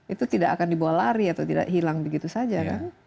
itu tidak akan dibawa lari atau tidak hilang begitu saja kan